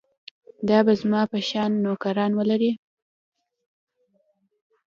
دا به زما په شان نوکران ولري.